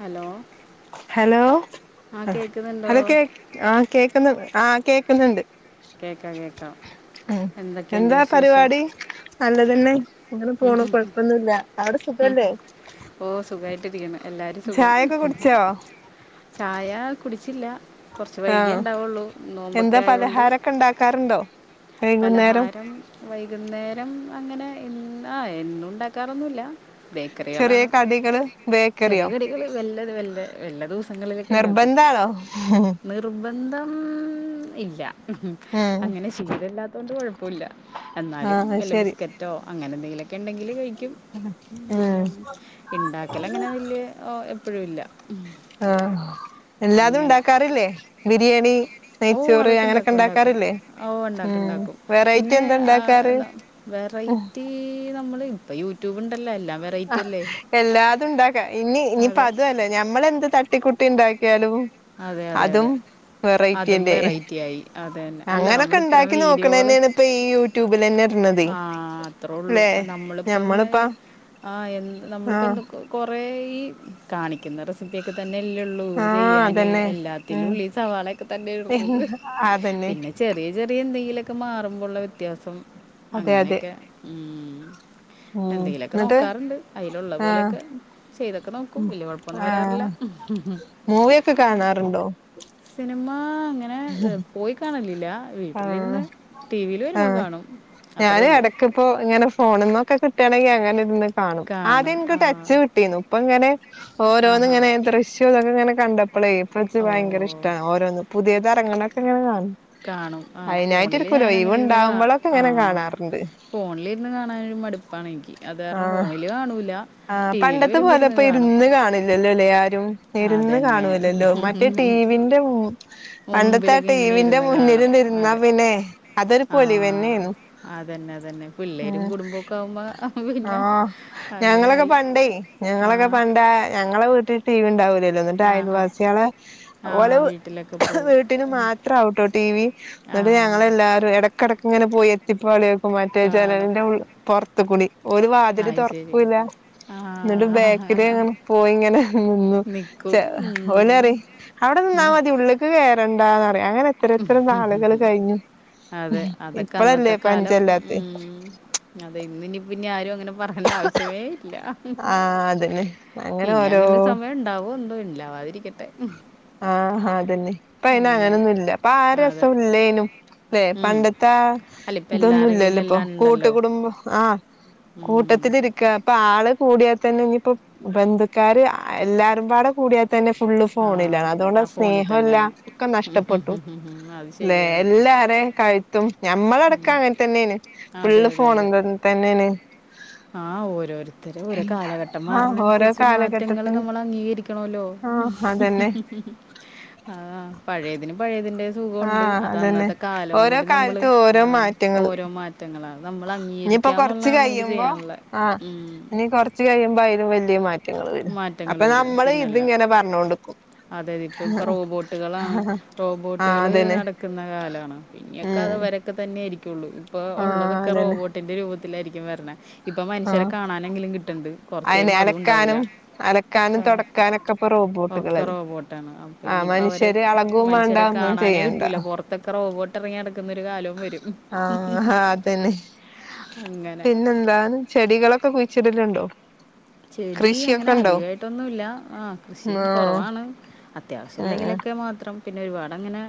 Hello hello ആ കേൾക്കുന്നുണ്ടോ hello കേക് ആഹ് കേക്ക്ന്ന് ആഹ് കേക്ക്ന്ന്ണ്ട് കേക്കാം കേക്കാം എന്തൊക്കെയ്ണ്ട് വിശേഷം നല്ലതെന്നെ ഇങ്ങനെ പോണു കൊഴപ്പൊന്നുല്ലാ അവിടെ സുഖല്ലേ? ഓഹ് സുഖായിട്ട് ഇരിക്കണ് എല്ലാരും സുഖം ചായൊക്കെ കുടിച്ചോ ചായ കുടിച്ചില്ലാ കൊറച്ച് ആ വൈകിയെ ഇണ്ടാവുള്ളൂ നോമ്പൊക്കെ ആയോണ്ട് കറണ്ടോ? പലഹാരം വൈകുന്നേരം അങ്ങനെ ഇന്ന് ആഹ് എന്നും ഉണ്ടാക്കാറൊന്നുല്ലാ ചെറിയ ബേക്കറികളാണ് കടികള് ചെറിയ ബേക്കറിയോ കടികള് വെല്ലത് വെല്ല എല്ലാ ദിവസങ്ങളിലൊക്കെ ഇണ്ടാക്കും നിർബന്ധാണോ നിർ നിർബന്ധം ഇല്ലാ ഉം അങ്ങനെ ശീലല്ലാത്തോണ്ട് കൊഴപ്പല്ലാ എന്നാലും ആ വല്ല ശരി ബിസ്ക്കറ്റോ അങ്ങനെ എന്തെങ്കിലൊക്കെ ഇണ്ടെങ്കില് കഴിക്കും ഉം ഇണ്ടാക്കല് അങ്ങനെ വല്ല്യ ഓ എപ്പഴും ഇല്ലാ ആഹ് എല്ലാതും ഉണ്ടാക്കാറില്ലേ ബിരിയാണി നെയ്ച്ചോറ് അങ്ങനെയൊക്കെ ഇണ്ടാക്കാറില്ലേ ഓഹ് ഇണ്ടാക്കും ഇണ്ടാക്കും പിന്നെ ഉണ്ടാക്കാറ് ഉം വെറൈറ്റി ഈ നമ്മള് ഇപ്പ യൂട്യൂബ് ഇണ്ടല്ലോ എല്ലാം വേ ആഹ് എല്ലാതും ഇണ്ടാക്കാം ഇനി ഇനിപ്പ അതെ അതു അല്ലാ ഞമ്മളെന്ത് തട്ടിക്കൂട്ടി ഇണ്ടാക്കിയാലും അതെ അതെ അതെ അതും വെറൈറ്റി ആയി, അത് തന്നെ അല്ല അങ്ങനൊക്കെ നമ്മള് ഇത്രയും ഉണ്ടാക്കി വീഡിയോകള് നോക്കണന്നെയാണ് ഇപ്പൊ ഈ യൂട്യൂബിലന്നെ ഇടണതേ ആഹ് അത്രൊള്ളൂ ല്ലെ നമ്മളിപ്പം ഞമ്മളിപ്പ ആഹ് എന്ത് നമ്മളിപ്പോ ആഹ് എന്ത്‌ കൊറേ ഈ കാണിക്കുന്ന റെസിപ്പി തന്നെല്ലെ ള്ളൂ ആഹ് ചെയ്യാൻ അതന്നെ എല്ലാത്തിലും ഉള്ളി സവാളൊക്കെ തന്നെണ് ഉം ഇടുന്നത്. അതന്നെ പിന്നെ ചെറിയ ചെറിയ എന്തെങ്കിലൊക്കെ മാറുമ്പോഴള്ള വ്യത്യാസം അതെ അതെ അങ്ങനെയൊക്കെ ഉം ഉം എന്തെങ്കിലൊക്കെ എന്നിട്ട് നോക്കാറുണ്ട് അയ്ലുള്ള ആഹ് പോലെയൊക്കെ ചെയ്തൊക്കെ നോക്കും, വലിയ കൊഴപ്പൊന്നും വരാറില്ല ആഹ് മൂവിയൊക്കെ കാണാറ്ണ്ടോ സിനിമ അങ്ങനെ പോയി കാണലില്ല ആഹ് വീട്ടിലിരുന്ന് ടീവീൽ വരുമ്പോ കാണും അത്ര ഒള്ളൂ പ്പൊ ങ്ങനെ ഫോണിന്നൊക്കെ കിട്ടാണെങ്ങി അങ്ങനെ ഇര്ന്ന് കാണും ആദ്യം ഇൻക്ക് ടച്ച് വിട്ടീന്നു പ്പങ്ങനെ ആഹാ. ഓരോന്ന്ങ്ങനെ ദൃശ്യം തൊക്കെങ്ങനെ കണ്ടപ്പളയ് പ്പച്ച് ഓ! ഭയങ്കര ഇഷ് ട്ടാണ്. ഓരോന്ന് പുതിയതറങ്ങ്ണൊക്കെ ങ്ങനെ കാണും കാണും, ആഹ് ഫോണില് അയിനായിട്ടിരിക്കൂല ഞാനങ്ങനിരുന്ന് കാ ഒഴിവുണ്ടാവുമ്പളൊക്കെ ഇങ്ങനെ ആഹ് കാണാറുണ്ട്. ഫോണിലിരുന്ന് കാണാനൊരു മടുപ്പാണെനിക്ക്. അത് കാരണം ആഹ് ഫോണില് കാണൂല്ല ആഹ് പണ്ടത്തെ പോലെ പ്പോ ഇരുന്ന് കാണില്ലല്ലൊലേ ആരും ഇരുന്ന് അതന്നെ. കാണൂല്ലല്ലോ മറ്റേ ടിവി ന്റെ [unintelligible] പണ്ടത്താ മുമ്പിലൊക്കെ ഇങ്ങനെ ടീവിന്റെ ഇരുന്ന് കാണും. മുന്നില്ണ്ടിരുന്നാ അതെ. പിന്നെ അതൊരു ആ. പൊളിവന്നേന്നു അതന്നെ അതന്നെ പിള്ളേരും കുടുംബക്കാവുമ്പോ പിന്നെ ആഹ് ഞങ്ങളൊക്കെ അങ്ങനായി. പണ്ടേയ് ആ. ഞങ്ങളൊക്കെ പണ്ട ഞങ്ങളെ വീട്ടിൽടീവി ണ്ടാവൂലെ ർന്നു ആഹാ. ന്നട്ടയൽവാസിയേലെ ആ ആ ഓല വ് വീട്ടിലൊക്കെ പോവും. വീ ട്ടില് മാത്രാവുട്ടോ ടി വി ന്നട്ട് ആ. ഞങ്ങളെല്ലാരും എടക്കെടക്ക്ങ്ങനെ പോയി ട്ട്പാളിയോക്കും, മറ്റേ കാണും ജനല്ന്റെ ഉൾ പൊർതുകുടി ഓല് വാതില് അത് ശരി തൊർക്കൂല്ല ആ ന്നട്ട് ബേക്കില് ങ്ങനെ പോയി ങ്ങനെ നിന്നു നിൽക്കും ചെ ഉം. ഓലറിം അവടെ നിന്നാ ഉം. മതി ഉള്ള്ക്ക് കേറണ്ടാന്നറിയും അങ്ങനെ ത്രയെത്ര നാളുകള് കയ്ഞ്ഞു. അതെ അതൊക്കെ ഇപ്പളല്ലേ അന്നത്തെ കാലം പഞ്ചല്ലാത്ത്‌ ഉം. അതെ ഇന്ന്ന്നിപ്പൊ പിന്നെ ആരും അങ്ങനെ പറയണ്ട ആവശ്യമേ ഇല്ല ആഹ് അതന്നെ അങ്ങനെ ഇനി ഓരോ അങ്ങനൊരു സമയം ഉണ്ടാവോ എന്തോ ഇല്ലാവാതിരിക്കട്ടെ ആ ഹാ അതന്നെ അങ്ങനെ പ്പഅയ്നങ്ങനൊന്നുല്ല അതെ പ്പാരസല്ലേനും ലെ ഉം. പണ്ടത്താ അല്ല ഇപ്പം എല്ലാവരുടെ തൊന്നുല്ലല്ലോ പ്പൊ കയ്യിലെല്ലാം കൂട്ട് ഉണ്ടല്ലോ കുടുംബം ആഹ് ഉം. കൂട്ടത്തിലിരിക്ക പ്പാള് കൂടിയാ തന്നെന്നിപ്പോ ബന്ധുക്കാര് എല്ലാരുംപാട കൂടിയാതന്നെ ഫുള്ള് ആ ഫോണി ല്ല അതൊണ്ട് ആ ഫോണിൽ സ്നേഹംല്ല തന്നെയാണ് ഒക്കെ നഷ്ടപ്പെട്ടു, ഉം. അത് ല്ലെ ശരിയാണ് എല്ലാരേം കയ് ത്തും ഞമ്മളടക്ക അങ്ങൻ തന്നേണ് അതെ ഫുള്ള് അതെ ഫോണ് അതെ [unintelligible] തന്നേണ് ആ ഓരോരുത്തര് ഓരോ കാലഘട്ടം ആഹ് ഓരോ മാറുന്നനുസരിച്ച് മാറ്റങ്ങള് കാലഘട്ടത്തിന് നമ്മളഅംഗീകരിക്കണല്ലോ ആഹ് അതന്നെ [unintelligible] [unintelligible] ആഹ് പഴയതിന് പഴയതിന്റെ സുഗൊണ്ട് ആഹ് അതന്നെ അതന്നത്തെ കാലവും ഓരോ കൂടി നമ്മള് കാലത്തും ഓരോ മാറ്റങ്ങള് ഓരോ മാ റ്റങ്ങളാണ് നമ്മളഅംഗീകരികാന്നുള്ളാണ് മ്പോ ആഹ് ന്നി കൊർച്ച് കഴിയുമ്പോ അയ്‌ലും വല്ല്യ മാറ്റ് റ്റങ്ങള് വരും. മാറ്റങ്ങൾ അപ്പൊ വരും നമ്മള് പിന്നല്ല ഇതിങ്ങനെ പർഞ്ഞോണ്ട്ക്കും അതെ അതെ ഇപ്പ ഇപ്പൊ റോബോട്ടുകളാണ് ആഹ് റോബോട്ടുകള് അതന്നെ നടക്കുന്ന കാലാണ് ഇനിയൊക്കെ ഉം അത് വരെ ക്കെതന്നെയായിരിക്കള്ളൂ പ്പൊ ആഹ് ഒള്ളതൊക്കെ അതന്നെ റോബോട്ടിന്റെ രൂപത്തിലായിരിക്കും വരണ ഇപ്പൊ മനുഷ്യരെ ആഹ് കാണാനെങ്കിലും കിട്ടണ്ട് കൊർച്ച് അയിനെ കഴിയുമ്പോ അതും ഉണ്ടാവൂല്ല അലക്കാനും അലക്കാനും തൊടക്കാനൊക്കെ ഇപ്പൊ ഒക്കെ റോബോട്ടുകൾലേ റോബോട്ടാണ് അപ്പൊ ആ ഇനിയിപ്പോ അവരെ മനുഷ്യര് അള കും വേണ്ട ഒന്നും ചെയ്യണ്ട ഇതൊക്കെ റോബൊട്ട് എറങ്ങിയട ക്കുന്നൊരു കാലം ആഹ് ഹാഹ് അതന്നെ അങ്ങനെ പിന്നെന്താണ് ചെടികളൊക്കെ കുഴിച്ചിടലുണ്ടോ ചെടി കൃഷിയൊക്കെ അങ്ങനെ ഉണ്ടോ അധികായിട്ടൊന്നുല്ല ആ കൃഷിം ആഹ് കൊറവാണ് അത്യാവശ്യം ഉം ഉം എന്തെങ്കിലൊക്കെ മാത്രം പിന്നെ ഒരുപാടങ്ങനെ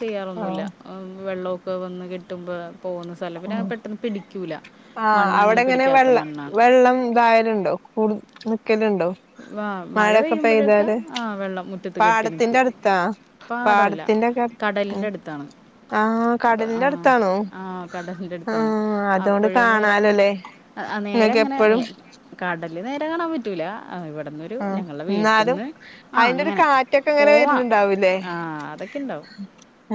ചെയ്യാറൊന്നുല്ല ആഹ് ഏഹ് വെള്ളക്കെ വന്ന് കെട്ടുമ്പോ പോന്നു സ്ഥലം പിന്ന പെട്ടെന്ന് പിടിക്കൂല ആഹ് മണ്ണ് അവടെ അങ്ങനെ എങ്ങനെ പിടിക്കാത്ത വെള്ളം മണ്ണാണ് വെള്ളം തായാലുണ്ടോ കൂടു നിക്കല്ണ്ടോ വാ മഴ പെയ്യുമ്പഴൊക്കെ ആഹ് വെള്ളം മുറ്റത്ത് കെട്ടി പാടത്തിന്റെ നിക്കും അടുത്താ പാടോല്ല പാടത്തിന്റെക്കെ ഉം കടലിന്റെ അടുത്താണ് ആഹ് ബ് കടലിന്റെ ആഹ് അടുത്താണോ ആഹ് കടലിന്റെ അടുത്താണ് ആഹ് അതുകൊണ്ട് അപ്പഴെന്ന് പറയും കാണാലോല്ലേ അഹ് നേര നിങ്ങൾക്ക് അങ്ങനെ നേ എപ്പഴും കടല് നേരെ കാണാൻ പറ്റൂല ഇവിടന്ന് ഒരു ഒരു ആഹ് ഞങ്ങള്ട എന്നാലും വീട്ട്ന്ന് ആഹ് അയിന്റെ ഒരു അങ്ങനെ കാറ്റൊക്കെ ഇങ്ങനെ പോവാം വരുന്നുണ്ടാവൂലേ ആഹ് അതൊക്കെണ്ടാവും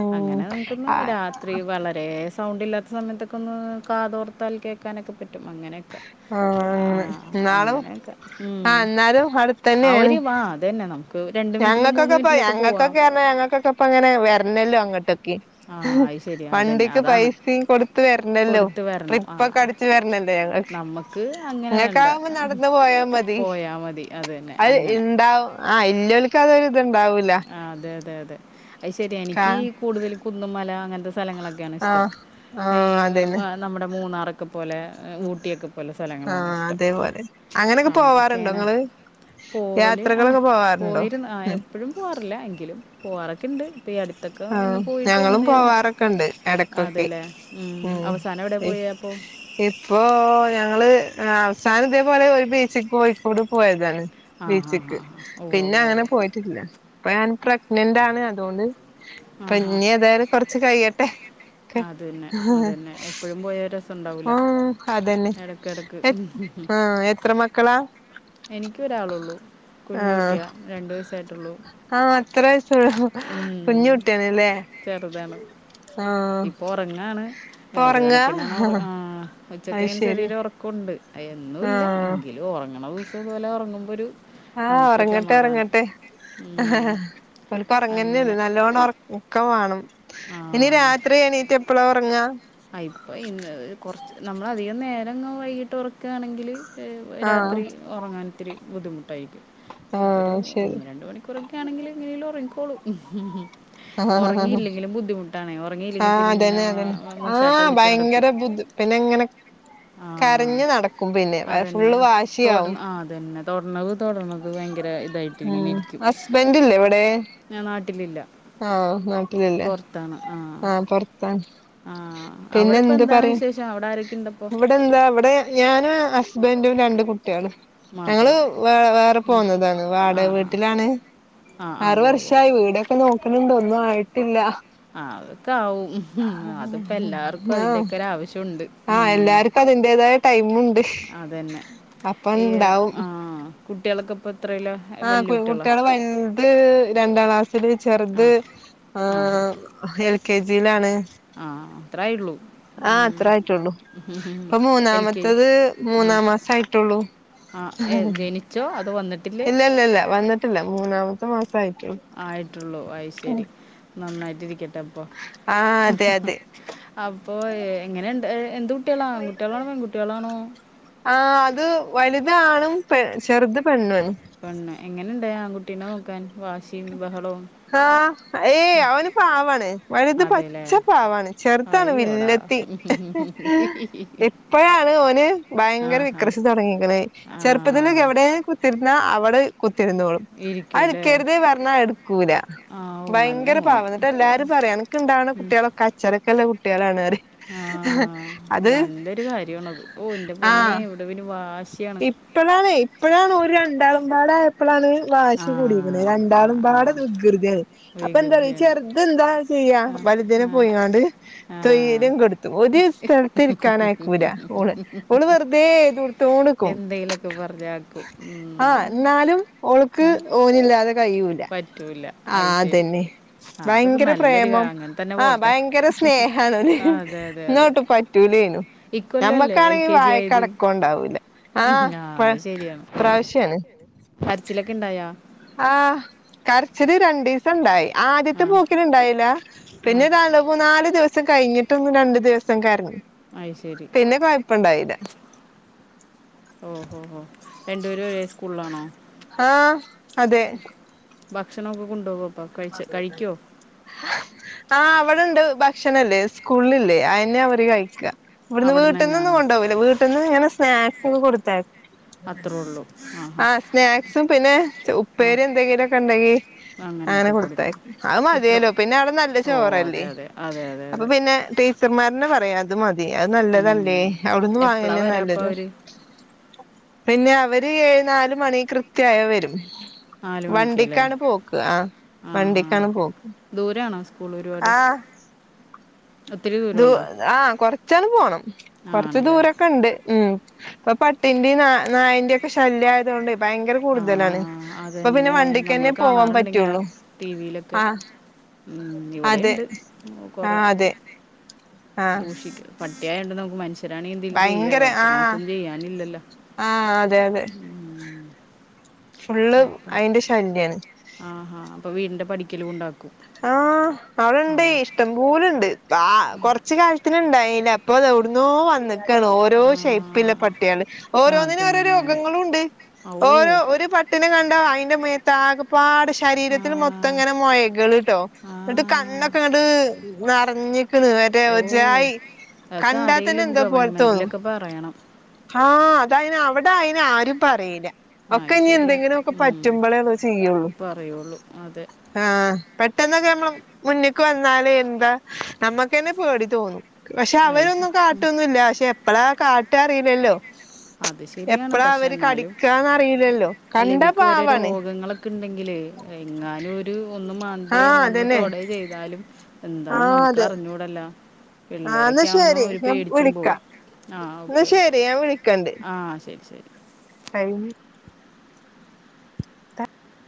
ഉം അങ്ങനെ നമുക്കൊന്ന് ആഹ് രാത്രി വളരെ സൗണ്ടില്ലാത് സമയത്തൊക്കെ ഒന്ന് കാതോർത്താൽ കേക്കാനൊക്കെ പറ്റും അങ്ങനെ ക്ക ആഹ് അങ്ങനെക്കെ ഉം ആഹ് എന്നാലും അടുത്തെ ആഹ് ഒരു വാ അതന്നെ നമുക്ക് രണ്ട് മിനിറ്റിൽ മൂന്ന് ഞങ്ങക്കൊക്കെ ഇപ്പ മിനിറ്റിലൊക്കെ പോവാം ഞങ്ങക്കൊക്കെ പറഞാ ഞങ്ങക്കൊക്കെപ്പങ്ങനെ വരണല്ലോ അങ്ങോട്ടെക്കെ ആ അത് ശരി അതന്നെ വണ്ടിക്ക് അതാണ് പൈസേം കൊടുത്ത് വര്ണല്ലോ കൊടുത്ത് വരണം ആ ട്രിപ്പൊക്കടി ച്ച് വരണല്ലേ നമുക്ക് അങ്ങനെ ഇങ്ങക്ക് വേണ്ട ആവുമ്പോ നടന്ന് പോയാ മതി അതന്നെ അത് അങ്ങനെ ഇണ്ടാവും ആഹ് ഇല്ലോൽക്ക് അതൊരിത്ണ്ടാവൂല്ല ആഹ് അതെ അതെ അതെ അത് ശരിയ എനിക്ക് കൂടുതൽ കുന്നുംമല അങ്ങനത്തെ സ്ഥലങ്ങളൊക്കെയാണ് ഇഷ്ടം ആഹ് ആഹ് എയ് ഓഹ് അതന്നെ വാത് നമ്മുടെ മൂന്നാറൊക്കെ പോലെ ഏഹ് ഊട്ടിയൊക്കെ പോല സ്ഥലങ്ങളാണ് ആഹ് ഇഷ്ടം അതേപോലെ അങ്ങനൊക്കെ [unintelligible] പോവാറുണ്ടോ ക്കേണ് ഇങ്ങള് പോവല് ആഹ് യാത്രകളൊക്കെ പോവാറുണ്ടോ പോയിരുന്നു ആഹ് ഉം എപ്പഴും പോവാറില്ല എങ്കിലും പോവാറൊക്കെണ്ട് ഇപ്പ ഈ അടുത്തൊക്ക ഒന്ന് ആഹ് പോയിട്ട് ഞങ്ങളും വന്നിരുന്നു പോവാറൊക്കെണ്ട് എടക്കൊക്കെ അതെല്ലേ ഉം അവസാനം എവിടെ ഉം പോയെ പ്പോ ഇപ്പോ ഞങ്ങള് ആഹ് അവസാനം ഇതേപോലെ ഒരു ബീച്ച്ക്ക് കോയ്ക്കോട് പോയതാണ് ആ ഹാ ഹാ ബീച്ച്ക്ക് ഹാ ഓ ഓ പിന്നെ ഓ അങ്ങനെ ഓ പോയിട്ടില്ല ഇപ്പൊ ഞാൻ പ്രഗ്നന്റ് ആണ് അതുകൊണ്ട് ആ ഇപ്പൊ ഹാ ഇഞ്ഞി ഏതായാലും കൊറച്ച് കഴിയട്ടെ അത് തന്നെ അത് തന്നെ എപ്പഴും പോയ ഒര് രസം ഒണ്ടാവൂല ആ അതന്നെ എടക്ക് എടക്ക് ആ എത്ര മക്കളാ എനിക്ക് ഒരാളുള്ളൂ കുഞ്ഞ് കുട്ടിയ രണ്ട് വയസ്സായിട്ടുള്ളൂ ആഹ് അത്ര വയസൊള്ളൂ കുഞ് ഉം. കുട്ടിയാണല്ലേ ആ ഇപ്പൊ ഒറങ്ങാണ് ഇപ്പൊ ഒരു ഉറങ്ങാ കണക്കിനാണ് ഒറ ആഹ് ഉച്ചക്ക് അത് ഇങ്ങനെ ശരി ചെറിയൊരു ഒറക്കൊണ്ട് ആഹ് എന്നും ആ ഇല്ല എങ്കിലും ഒറങ്ങണ ദിവസം ഇതുപോല ഒറങ്ങുമ്പോരു ആഹ് ഒറങ്ങട്ടെ ഒറങ്ങട്ടെ ഉം. ഇവലിപ്പ ഒറങ്ങ്ന്നെണ് അങ്ങനെ നല്ലോണം ഒറങ്ങ് ക്കം വാണം ഇനി ആ രാത്രി എണീറ്റ് എപ്പളാ ഒറങ്ങാ ഇപ്പൊ ഇന്ന് കുറച്ച് നമ്മൾ അധികം നേരം വൈകിട്ട് ഒറക്കണെങ്കില് ഏഹ് ആഹ് രാത്രി ഒറങ്ങാൻ ഇത്തിരി ബുദ്ധിമുട്ടാരിക്കും ഒരു ആഹ് ശരി ഒന്ന് രണ്ട് മണി ക്കൂറൊക്കെ ആണെങ്കില് എങ്ങനെലും ഒറങ്ങിക്കോളും ആഹ് ആഹ് ഒറങ്ങില്ലെങ്കിലും ബുദ്ധിമുട്ടാണെ ഒറങ്ങില്ലെങ്കി പിന്നിങ്ങനെ അതന്നെ അതന്നെ ഏഹ് മുസ് ആഹ് ഭയങ്കര ബുദ്ധ് പിന്നെങ്ങനെ ആ കരഞ്ഞ് നടക്കും പിന്നെ എഹ് ഫുള്ള് വാശിയാവും തന്നെ തൊട്ണത് തൊട്ണത് ഭയങ്കര ഇ ഉം ഹസ്ബന്റ് ഇല്ലേ ഇവിടെ ഞ്ഞ നാട്ടിലില്ല ആഹ് നാട്ടിലില്ലേ ആഹ് പൊറത്താ ആഹ് അവിടെപ്പോ എന്താണ് വിശേഷം അവിടെ ആരൊക്കെണ്ട്പ്പോ ഇവിടെ എന്താ ഇവിടെ ഞാനും ഹസ്ബന്റും രണ്ട് കുട്ടിയളും ഞങ്ങള് മാത്രം വേറെ വേറെ പോന്നതാണ് വാടക ആഹാ വീട്ടിലാണ് ആ ആ ആറ് ഉവ്വ് ഉവ്വ് വർഷായി വീടൊക്കെ നോക്ക്ണ്ട് ഒന്നും ആയിട്ടില്ല ആഹ് അതൊക്കെ ആവും അതിപ്പോ എല്ലാർക്കും ആഹ് അതിന്റെക്കെ ഒരാവശ്യോണ്ട് ആഹ് എല്ലാര്ക്കും അതിന്റെതായ ടൈമുണ്ട് അപ്പ ണ്ടാവും ആഹ് കുട്ടികളൊക്കെ ഇപ്പ എത്രയ്ലാ ആഹ് കു കുട്ടിയള് വൽത് രണ്ടാം ക്ലാസ്സില് ആ ചെറുത് ആ ആ ങ് എൽ കെ ജിയിലാണ് ആ അത്രേ ആയുള്ളൂ ആഹ് അത്ര ആയിട്ടുള്ളൂ ഇപ്പൊ എൽ കെ ജി മൂന്നാമത്തത് ആ മൂന്നാം മാസയിട്ടുള്ളൂ ആ ഏ, ജനിച്ചോ അതോ വന്നിട്ടില്ലേ ഇല്ലല്ല ല്ല വന്നിട്ടില്ല മൂന്നാമത്തെ മാസയിട്ടുള്ളൂ ആയിട്ടുള്ളൂ അയ്ശെരി നന്നായിട്ടിരിക്കട്ടെ അപ്പൊ ആഹ് അതെ അതെ അപ്പൊ എങ്ങനെണ്ട് എന്ത് കുട്ടികളാ ആൺകുട്ടികളാണോ പെൺകുട്ടികളാണോ ആഹ് അത് വലുതാണും പെ ചെറുത് പെണ്ണു ആണ് പെണ്ണ് എങ്ങനെണ്ട് ആൺകുട്ടീനെ നോക്കാൻ വാശിയും ബഹളവും ആഹ് ഏയ് അവന് പവാണ് വലുത് അതെല്ലേ പച്ച പവാണ് ചെറുതാണ് അയ്യോടാ വില്ലത്തി ഇപ്പഴാണ് ഓന് ഭയങ്കര ആഹാ വികൃസ് തുടങ്ങിക്കണ് ആ ചെറുപ്പത്തിലൊക്കെ എവിടെ കുത്തിര്ന്നാ അവിടെ കുത്തിരുന്നോളും ഇരിക്കൂലേ ന്നാ എടുക്കൂല ആ ഓ നല്ല ഭയങ്കര മോന് പാവ ന്നിട്ട് എല്ലാരും പറയും അനക്ക് ഇണ്ടാവ്ണ കുട്ടികളൊക്കെ ചെടക്കല്ല കുട്ടിയളാണ് റി ആഹ് നല്ലൊരു കാര്യണത് ഓഹ് ന്റെ പൊന്നെ ആഹ് ഇവിടെ പിന്നെ വാശിയാണ് ഇപ്പഴാണ് ഇപ്പഴാണ് ഒരു രണ്ടാളുംമ്പാട പ്പളാണ് ആ വാശി കൂടിക്ക്ണ് ആ രണ്ടാളും ആ പാടെ വൃകൃതിയാണ് അപ്പൊ എന്താ റിയോ ഈ വികൃതിയാണ് ചെർത് ന്താ ചെയ്യാ ആ വലുത് നെ ആ പോയിങ്ങാണ്ട് ആ തൈര്യം കൊടുത്തു ഒരു സ്ഥലത്ത് ഇരിക്കാനയക്കൂല ഓള്. ഓള് വെറുതെ ഏ എന്തെലൊക്കെ പറഞ്ഞാക്കും ഉം ആഹ് ന്നാലും ഓൾക്ക് ആ ഓനില്ലാതെ കയൂല പറ്റൂല അത് ആഹ് ശരി അതെന്നെ ആ അതൊക്കെ ഭയങ്കര നല്ലൊരു കാ- പ്രേമം അങ്ങനെ തന്നെ ആഹ് പോട്ടെ ഭയങ്കര സ്നേഹണ് ഓന് ആ, അതെ അതെ ന്നാ അതെ ഒട്ട് പറ്റൂലെനും ഇക്കൊല്ലല്ലേ എൽ ഞമ്മക്കാണെങ്കിൽ കെ ജി ആയത് വായക്കടക്കണ്ടാവൂല്ല ഉം, ആ ആഹ് അത് ശരിയാണ് ഇപ്രാവശ്യണ് കരച്ചിലൊക്കെ ഇണ്ടായാ ആഹ് കര്ച്ചില് രണ്ടീസം ഇണ്ടായി ആദ്യത്തെ ആ പോ ണ്ടായില്ല പിന്നെരണ്ടു മൂന്നാല് ദിവസം കഴിഞ്ഞിട്ടൊന്നും രണ്ട് ദിവസം കര്ഞ്ഞ് അയ്ശെരി പിന്നെ കൊഴപ്പണ്ടായില ഓഹ് ഹോ ഹോ രണ്ടുപേരും ഒരേ സ്കൂൾലാണോ ആഹ് അതെ ഭക്ഷണം ഒക്കെ കൊണ്ടോവോ ആഹ് അവടെണ്ട് ഭക്ഷണല്ലേ സ്കൂളില്ലേ അ ന്നെ അവര് കഴിക്കാ ഇവിട്ന്ന് അവിടെ നിന്ന് വീട്ട്ന്നൊന്നും തന്നെയാണോ കൊണ്ടോവൂല വീട്ടിൽന്ന് ഇങ്ങനെ സ്നാക്സ് കൊടുത്തയ് അത്രേ ഉള്ളൂ ആ ഹാ ആഹ് സ്നാക്സും പിന്നെ ച് ആ ഉപ്പേരി എന്തെങ്കിലൊക്കെ ണ്ടെങ്കി അങ്ങനെ അങ്ങനെയൊക്കെ കൊടുക്കും കൊടുത്തയ്ക്കും അഅ് എത്ര മതേലാേ പിന്നെ ആടെ നല്ല ഓ ചോറല്ലേ അതെ അതെ അതെ അതെ അപ്പൊ അതെ പിന്നെ ട്ടീ ച്ചർന്മാര്ന്നെ പറയാ അത് മതി അത് നല്ലതല്ലേ അവ്ട്ന്ന് എപ്പോഴാണ് വാങ്ങന്നെ വരാ അപ്പോൾ നല്ലത് അവർ പിന്നെ അവര് നാല് മണി കൃത്യായ വരും നാല് മണിക്കല്ലേ വണ്ടിക്കാണ് പോക്ക് ആ വണ്ടിക്കാണ് പോക്ക് ദൂരാണോ സ്കൂള് ഒരുപാട് ആഹ് ഒത്തിരി ദൂ ദൂരമുണ്ടോ ആഹ് കൊറച്ചാണ്ട് പോണം കൊർച്ച് ആണല്ലേ ദൂരൊക്കെണ്ട് ഉം ഇപ്പ പട്ടിന്റിം നാ നായിൻ്റെക്കെ ശല്ല്യായതോണ്ട് ഭയങ്കര ആ കൂടുതലാണ് അപ്പൊ പിന്നെ അതന്നെ നമ്മൾ വണ്ടിക്കന്നെ പോവാൻ കാണാറുണ്ട് ഇങ്ങനെ പറ്റാെള്ളൂ ടി വിയിലൊക്കെ ഉം അതെ ഇവിടെണ്ട് കാെറെ ആഹ് അതെ ആഹ് സൂക്ഷിക്ക പട്ടിയായൊണ്ട് നമുക്ക് മനുഷ്യരാണെങ്കി എന്തേലും ചെയ്യാ ഭയങ്കര പട്ടെളാകുമ്പോ ആഹ് നമുക്കൊന്നും ചെയ്യാനില്ലല്ലോ ആഹ് അതെ അതെ ഫുള്ള് അയിന്റെ ശല്ല്യാണ് ആഹ് അപ്പോ വീടിൻ്റെ പടിക്കല് കൊണ്ടാക്കും ആഹ് അവിടെ ഇണ്ടെയ് ഓ ഇഷ്ടം പോലെണ്ട് ബാ കൊർച്ച് കാലത്തിന്ണ്ടായീല ഇപ്പതാ ‌ ഒവ്ട്ന്നോ വന്ന്ക്കാണ് ഓരോ ആ ഷെയ്പ്പില്ല പട്ട്യാള് ആ ഓരോന്നിനും ഓരോ അതന്നെ രോഗങ്ങളും ഇണ്ട് ആ ഓ ഓരോ ഒരു പട്ട് ട്ടിനെ കണ്ടാ അയ്ന്റെ മേത്താകപ്പാടെ ആ ശരീരത്തില് മൊത്തം ങ്ങനെ മൊഴകള് ആ ന്നട്ട് കണ്ണൊക്കെ ഇങ്ങട്ട് നെറഞ്ക്ണ് വരെ ഓ ഒര്ജായി അതൊക്കെ കണ്ടാത്തന്നെ ആരെങ്കിലും എന്തോ പോലെത്തോന്നും ഗവൺമെൻറ്റിലൊക്കെ പറയണം ആഹ് അതയിന് അവടെ അയിനാരും പറീല ആ ഒക്കെ അത് ഇഞ്ഞി ശരിയാണ് എന്തെങ്കിലൊക്കെ ഉം. പറ്റുമ്പളേള്ളൂ ചെയ്യൊള്ളൂ പറയുള്ളൂ അതെ ആഹ് പെട്ടെന്നൊക്കെ നമ്മള മുന്ന്ക്ക് വന്നാല് എന്താ നമ്മക്കന്നെ പേടി തോന്നും പക്ഷെ അത് ശ- അവരൊന്നും കാട്ടൊന്നുംല്ല പക്ഷെ എപ്പളാ കാട്ട അറീല്ലല്ലോ അത് ശരിയാണ് എപ്പളാ പക്ഷെ അവര് എന്നാലും കടിക്കാന്നറിയില്ലല്ലോ കണ്ടാ പാവാണ് ക്ക്ണ്ടെങ്കില് എങ്ങാനും ഒര് ഒന്ന് മാന്തേ ആഹ് ഒന്ന് അതന്നെ തൊടെ ചെയ്താലും എന്താന്ന് ആഹ് നമുക്ക് അതെ അറിഞ്ഞൂടല്ലോ ആഹ് ന്നാ പിള്ളേരെക്കെ ആവുമ്പോ ശരി ഓര് ഞാൻ പേടിച്ചും പോവും വിളിക്കാം ആഹ് ഓക്കെ ഓക്കെ ക്കണ്ട് ആഹ് ശരി ശരി ടൈം